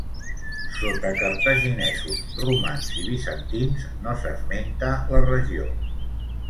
Sota cartaginesos, romans i bizantins no s'esmenta la regió.